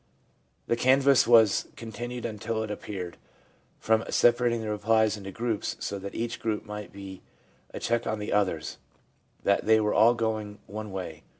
The canvass was continued until it appeared, from separating the replies into groups, so that each group might be a check on the others, that they were all going one way.